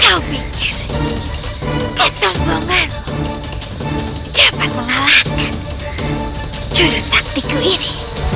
kau pikir kesombonganmu dapat mengalahkan jurusaktiku ini